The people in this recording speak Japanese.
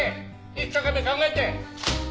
一生懸命考えて！